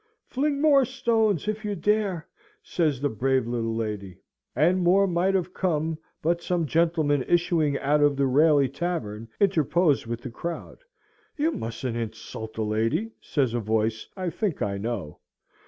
"Fling more stones, if you dare!" says the brave little lady; and more might have come, but some gentlemen issuing out of the Raley Tavern interpose with the crowd. "You mustn't insult a lady," says a voice I think I know.